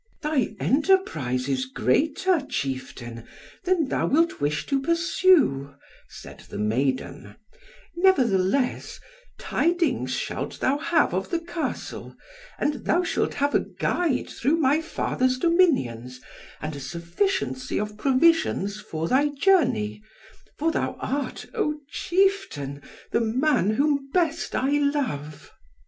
"Thy enterprise is greater, chieftain, than thou wilt wish to pursue," said the maiden, "nevertheless, tidings shalt thou have of the Castle, and thou shalt have a guide through my father's dominions, and a sufficiency of provisions for thy journey, for thou art, O chieftain, the man whom best I love."